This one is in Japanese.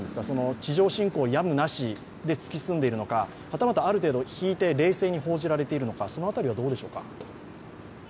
地上侵攻やむなしで突き進んでいるのか、はたまた、冷静に報じられているのか、その辺りはどうでしょうか？